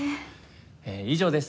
以上です。